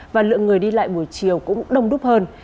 và lượng người đi lại buổi chiều cũng đông đúc hơn